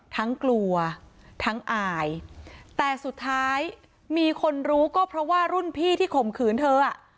ทั้งกลัวทั้งอายแต่สุดท้ายมีคนรู้ก็เพราะว่ารุ่นพี่ที่ข่มขืนเธออ่ะ